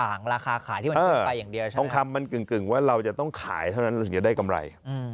อับปันผลไง